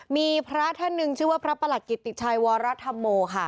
มีพระท่านหนึ่งชื่อว่าพระประหลัดกิติชัยวรธรรมโมค่ะ